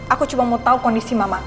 aku cuma mau tau kondisi mamaku aja